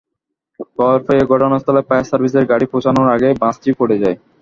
খবর পেয়ে ঘটনাস্থলে ফায়ার সার্ভিসের গাড়ি পৌঁছানোর আগেই বাসটি পুড়ে যায়।